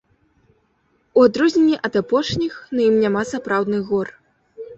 У адрозненні ад апошніх, на ім няма сапраўдных гор.